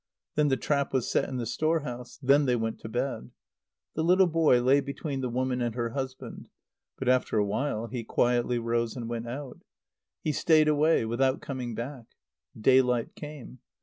Then the trap was set in the store house. Then they went to bed. The little boy lay between the woman and her husband; but after awhile he quietly rose and went out. He stayed away, without coming back. Daylight came.